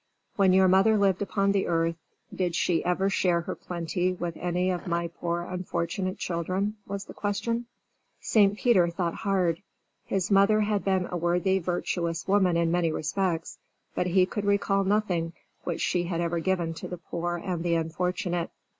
"When your mother lived upon the earth did she ever share her plenty with any of my poor unfortunate children?" was the question. St. Peter thought hard. His mother had been a worthy, virtuous woman in many respects, but he could recall nothing which she had ever given to the poor and the unfortunate.